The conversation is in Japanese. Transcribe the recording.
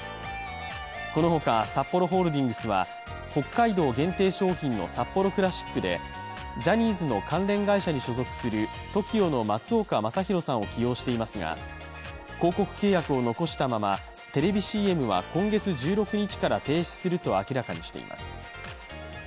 このほか、サッポロホールディングスは北海道限定商品のサッポロクラシックでジャニーズの関連会社に所属するＴＯＫＩＯの松岡昌宏さんを起用していますが広告契約を残したままテレビＣＭは今月１６日から停止すると明らかにしています。